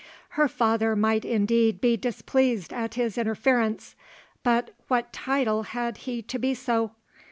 Her father might indeed be displeased at his interference; but what title had he to be so?